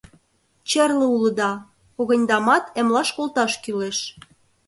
Черле улыда, когыньдамат эмлаш колташ кӱлеш.